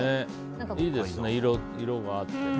いいですね、色があってね。